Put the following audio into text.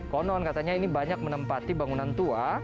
konon katanya ini banyak menempati bangunan tua